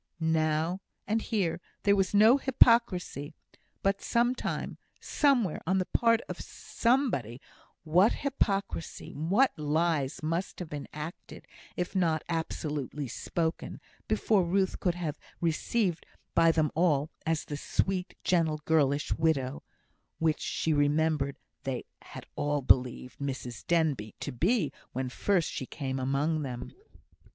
Now, and here, there was no hypocrisy; but some time, somewhere, on the part of somebody, what hypocrisy, what lies must have been acted, if not absolutely spoken, before Ruth could have been received by them all as the sweet, gentle, girlish widow, which she remembered they had all believed Mrs Denbigh to be when first she came among them!